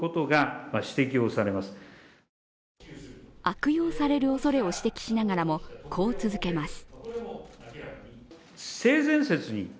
悪用されるおそれを指摘しながらも、こう続けます。